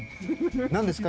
何ですか？